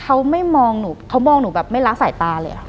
เขาไม่มองหนูเขามองหนูแบบไม่ละสายตาเลยค่ะ